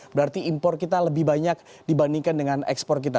berarti impor kita lebih banyak dibandingkan dengan ekspor kita